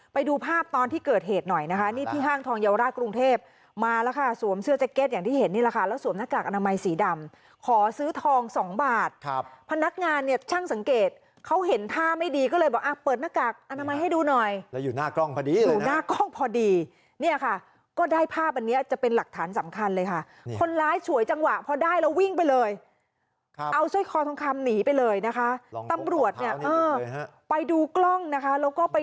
ไปดูภาพตอนที่เกิดเหตุหน่อยนะคะนี่ที่ห้างทองเยาวราชกรุงเทพฯมาแล้วค่ะสวมเสื้อแจ็คเก็ตอย่างที่เห็นนี่ละค่ะแล้วสวมหน้ากากอนามัยสีดำขอซื้อทองสองบาทครับพนักงานเนี่ยช่างสังเกตเขาเห็นท่าไม่ดีก็เลยบอกอ่ะเปิดหน้ากากอนามัยให้ดูหน่อยแล้วอยู่หน้ากล้องพอดีเลยนะอยู่หน้ากล้องพอดีเนี่ยค่ะก็ได้ภาพอันนี้